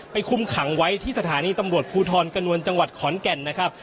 คุมขังไว้ที่สถานีตำรวจภูทรกระนวลจังหวัดขอนแก่นนะครับ